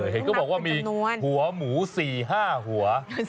เห็นก็บอกว่ามีหัวหมู๔๕หัว